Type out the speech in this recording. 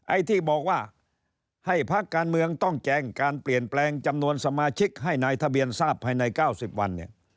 ไอ้ที่บอกว่าให้พักการเมืองต้องแจงการเปลี่ยนแปลงจำนวนสมาชิกให้นายทะเบียนทราบภายใน๙๐วันเนี่ย